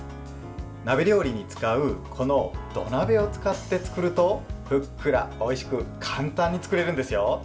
鍋料理に使うこの土鍋を使って作るとふっくら、おいしく簡単に作れるんですよ。